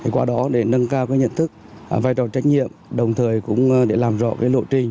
qua đó để nâng cao nhận thức vai trò trách nhiệm đồng thời cũng để làm rõ lộ trình